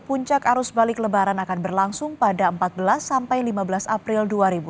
puncak arus balik lebaran akan berlangsung pada empat belas sampai lima belas april dua ribu dua puluh